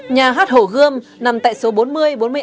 nhà hát hồ gươm nằm tại số bốn mươi